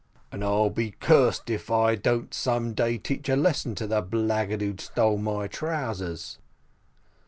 "And I'll be cursed if I don't some day teach a lesson to the blackguard who stole my trousers."